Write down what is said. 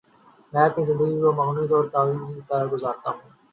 میں اپنی زندگی کو معنویت اور تواضع کے ساتھ گزارتا ہوں۔